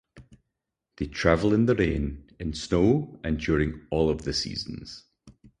They travel in the rain, in snow, and during all of the seasons.